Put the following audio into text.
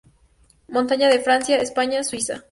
Montañas de Francia, España, Suiza